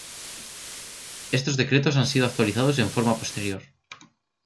Estos decretos han sido actualizados en forma posterior.